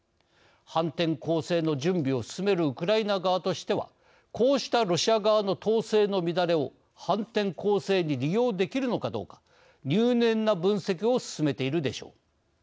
反転攻勢の準備を進めるウクライナ側としてはこうしたロシア側の統制の乱れを反転攻勢に利用できるのかどうか入念な分析を進めているでしょう。